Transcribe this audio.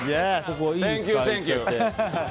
センキュー、センキュー。